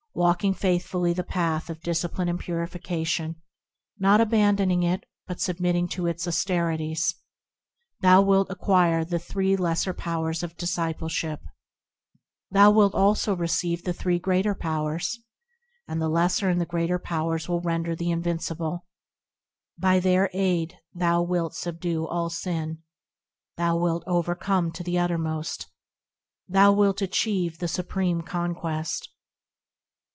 Walking faithfully the path of discipline and purification, Not abandoning it, but submitting to its austerities, Thou wilt acquire the three lesser powers of discipleship; Thou wilt also receive the three greater powers ; And the lesser and the greater powers will render the invincible ; By their aid thou wilt subdue all sin ; Thou wilt overcome to the uttermost ; Thou wilt achieve the Supreme Conquest.